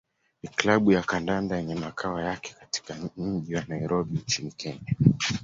ni klabu ya kandanda yenye makao yake katika mji wa Nairobi nchini Kenya.